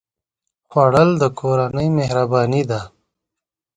خوړل د کورنۍ مهرباني ده